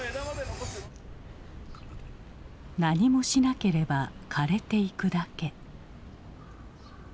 何もしなければ枯れていくだけ。